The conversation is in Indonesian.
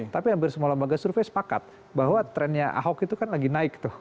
tapi hampir semua lembaga survei sepakat bahwa trennya ahok itu kan lagi naik tuh